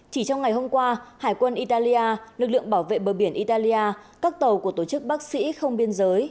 chỉ trong ngày hôm qua hải quân italia lực lượng bảo vệ bờ biển italia các tàu của tổ chức bác sĩ không biên giới